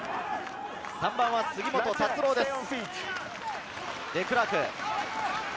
３番は杉本達郎です。